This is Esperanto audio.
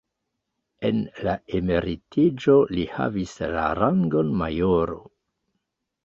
En la emeritiĝo li havis la rangon majoro.